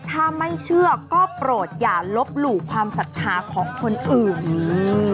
ถ้าไม่เชื่อก็โปรดอย่าลบหลู่ความศรัทธาของคนอื่นนี่